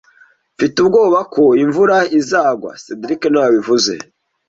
Mfite ubwoba ko imvura izagwa cedric niwe wabivuze